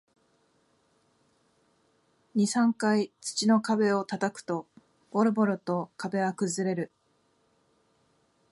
二、三回土の壁を叩くと、ボロボロと壁は崩れる